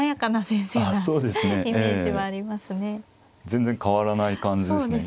全然変わらない感じですね。